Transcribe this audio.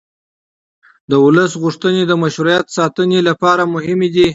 د ولس غوښتنې د مشروعیت ساتنې لپاره مهمې دي